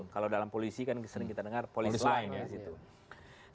kalau dalam polisi kan sering kita dengar polisi lain di situ